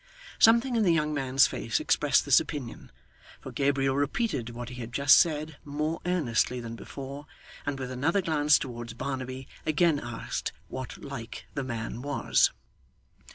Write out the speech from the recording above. Something in the young man's face expressed this opinion, for Gabriel repeated what he had just said, more earnestly than before, and with another glance towards Barnaby, again asked what like the man was.